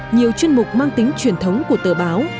nhiều chuyên mục mang tính truyền thống của tờ báo